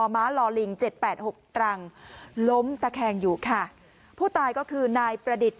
ม้าลอลิงเจ็ดแปดหกตรังล้มตะแคงอยู่ค่ะผู้ตายก็คือนายประดิษฐ